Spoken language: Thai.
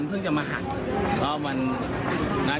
จึงไม่ได้เอดในแม่น้ำ